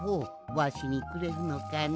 わしにくれるのかね？